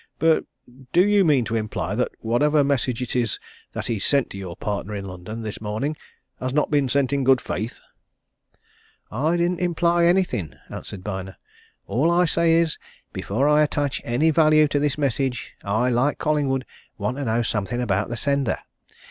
"But do you mean to imply that whatever message it is that he's sent to your partner in London this morning has not been sent in good faith?" "I don't imply anything," answered Byner. "All I say is before I attach any value to his message I, like Collingwood, want to know something about the sender.